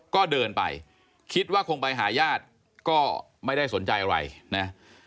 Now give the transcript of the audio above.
ก็เดินไปคิดว่าคงไปหาญาติก็ไม่ได้สนใจอะไรนะ